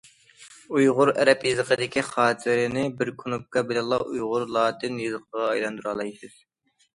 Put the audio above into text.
ئۇيغۇر ئەرەب يېزىقىدىكى خاتىرىنى بىر كۇنۇپكا بىلەنلا ئۇيغۇر لاتىن يېزىقىغا ئايلاندۇرالايسىز.